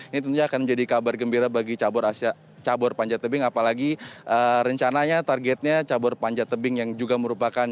ini tentunya akan menjadi kabar gembira bagi cabur panjat tebing apalagi rencananya targetnya cabur panjat tebing yang juga merupakan